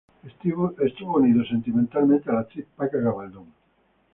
Estuvo unido sentimentalmente a la actriz Paca Gabaldón.